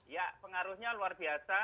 ya pengaruhnya luar biasa